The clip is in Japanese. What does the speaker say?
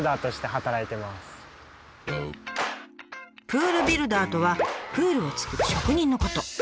プールビルダーとはプールを作る職人のこと。